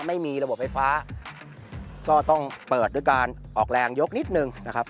ไม่มีระบบไฟฟ้าก็ต้องเปิดด้วยการออกแรงยกนิดนึงนะครับ